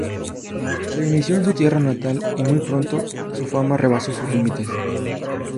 Se inició en su tierra natal y muy pronto su fama rebasó sus límites.